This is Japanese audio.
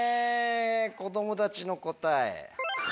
子供たちの答え。